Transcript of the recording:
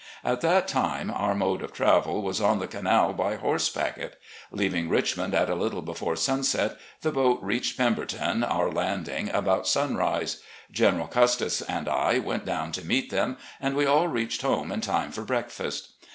At that time our mode of travel was on the canal by horse packet : leaving Richmond at a little before sunset, the boat reached Pemberton, our landing, about stmtise. General Custis and I went down to meet them, and we all reached home in time for breakfast.